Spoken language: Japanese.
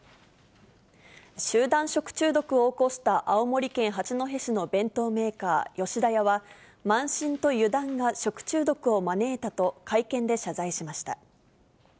集団食中毒を起こした、青森県八戸市の弁当メーカー、吉田屋は、慢心と油断が食中毒を招いたと、会見で謝罪しました。